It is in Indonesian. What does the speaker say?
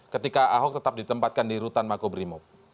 ketika ahok tetap ditempatkan di rutan makobrimob